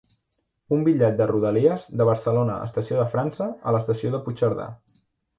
Un bitllet de Rodalies de Barcelona Estació de França a l'estació de Puigcerdà.